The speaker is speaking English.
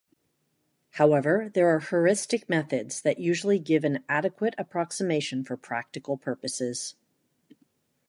However, there are heuristic methods that usually give an adequate approximation for practical purposes.